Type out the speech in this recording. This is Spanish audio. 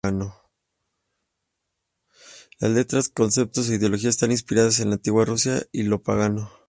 Las letras, concepto e ideologías están inspiradas en la antigua Rusia y lo pagano.